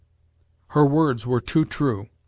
Her words were too true.